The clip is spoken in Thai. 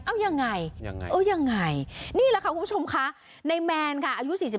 เอายังไงเอายังไงนี่แหละค่ะคุณผู้ชมค่ะในแมนค่ะอายุ๔๒